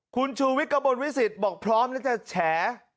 คุณชูวิทย์กระบวนวิสิตบอกพร้อมจะแฉะ